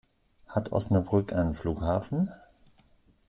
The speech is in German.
Hat Osnabrück einen Flughafen?